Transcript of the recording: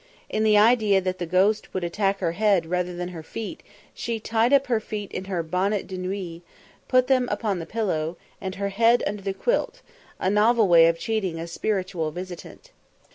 In the idea that the ghost would attack her head rather than her feet, she tied up her feet in her bonnet de nuit, put them upon the pillow, and her head under the quilt a novel way of cheating a spiritual visitant.